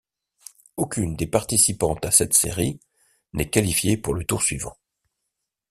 Aucune des participantes à cette série n'est qualifiée pour le tour suivant.